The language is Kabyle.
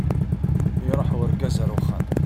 Iruḥ urgaz ar uxxam.